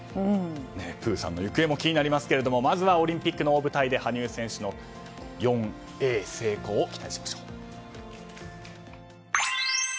プーさんの行方も気になりますがオリンピックの大舞台で羽生選手の４Ａ成功を期待しましょう。